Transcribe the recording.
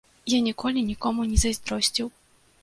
Я ніколі нікому не зайздросціў.